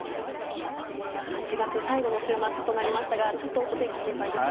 さあ、８月最後の週末となりましたが、ちょっとお天気、心配ですね。